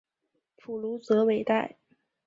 普卢泽韦代。